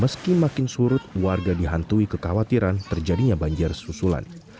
meski makin surut warga dihantui kekhawatiran terjadinya banjir susulan